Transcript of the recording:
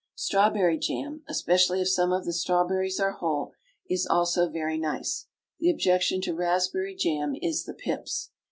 Strawberry jam, especially if some of the strawberries are whole, is also very nice. The objection to raspberry jam is the pips.